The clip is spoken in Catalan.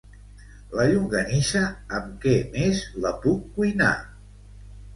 La llonganissa amb què més la puc cuinar?